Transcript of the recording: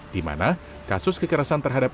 di mana kasus kekerasan terhadap